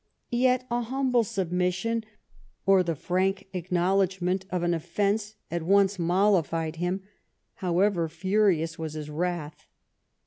Yet a humble submission or the frank acknowledgment of an offence at once mollified him, however furious was his wrath.